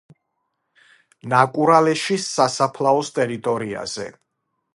ნაკურალეშის სასაფლაოს ტერიტორიაზე.